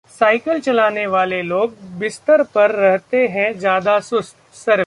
cycle चलाने वाले लोग बिस्तर पर रहते हैं ज्यादा चुस्त: सर्वे